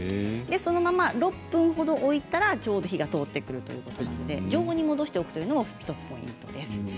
そのまま６分ほど置いたらちょうど火が入るということで常温に戻しておくというのも１つのポイントです。